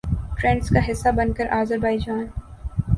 trends کا حصہ بن کر آذربائیجان